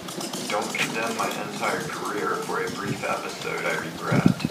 Don't condemn my entire career for a brief episode I regret.